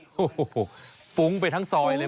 โอ้โหฟุ้งไปทั้งซอยเลย